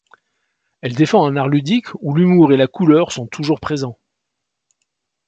Elle défend un art ludique où l'humour et la couleur sont toujours présents.